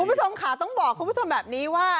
คุณผู้ชมค่ะต้องบอกคุณผู้ชมแบบนี้ว่า